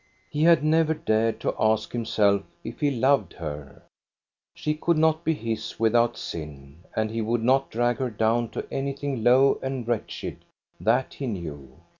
He had never dared to ask himself if he loved her. She could not be his without sin, and he would not drag her down to anything low and wretched, that he knew.